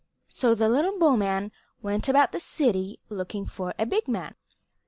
So the little bowman went about the city looking for a big man.